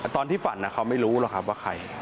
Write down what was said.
ตอนที่ฝันเขาไม่รู้หรอกครับว่าใคร